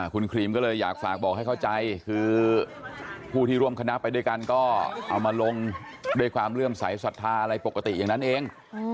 คุณครีมก็เลยอยากฝากบอกให้เข้าใจคือผู้ที่ร่วมคณะไปด้วยกันก็เอามาลงด้วยความเลื่อมใสสัทธาอะไรปกติอย่างนั้นเอง